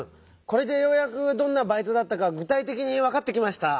これでようやくどんなバイトだったかぐたいてきにわかってきました。